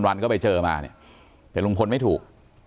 วันก็ไปเจอมาเนี่ยแต่ลุงพลไม่ถูก